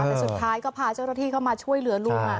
แต่สุดท้ายก็พาเจ้าหน้าที่เข้ามาช่วยเหลือลูกค่ะ